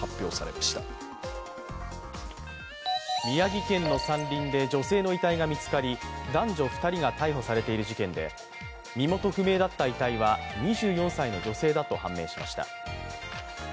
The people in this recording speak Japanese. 宮城県の山林で女性の遺体が見つかり男女２人が逮捕されている事件で身元不明だった遺体は２４歳の女性だと判明しました。